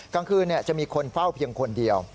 กลางคืนจะมีคนเฝ้าเพียงคนเดียว